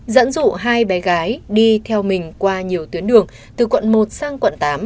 dẫn dụ hai bé gái đi theo mình qua nhiều tuyến đường từ quận một sang quận tám